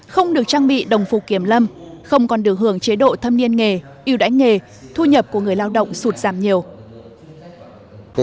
không được trang bị đồng phục kiểm lâm không còn được hưởng chế độ thâm niên nghề yêu đáy nghề thu nhập của người lao động sụt giảm nhiều